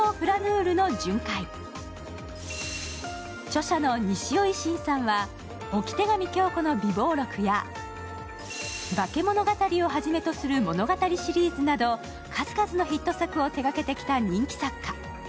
著者の西尾維新さんは「掟上今日子の備忘録」や「化物語」をはじめとする「物語シリーズ」など数々のヒット作を手がけてきた人気作家。